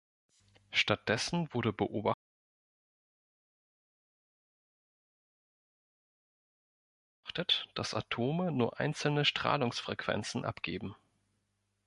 Stattdessen wurde beobachtet, dass Atome nur einzelne Strahlungsfrequenzen abgeben.